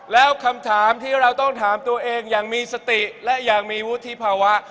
แล้วคำถามที่เราต้องถามตัวเองอย่างมีสติและอยากมีวุฒิภาวะ